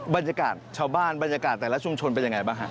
บรรยากาศชาวบ้านบรรยากาศแต่ละชุมชนเป็นยังไงบ้างฮะ